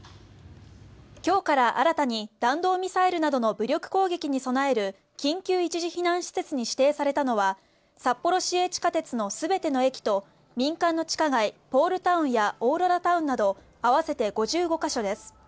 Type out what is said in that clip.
今日から新たに弾道ミサイルなどの武力攻撃に備える緊急一時避難施設に指定されたのは札幌市営地下鉄の全ての駅と民間の地下街ポールタウンやオーロラタウンなど合わせて５５か所です。